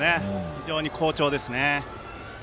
非常に好調ですね。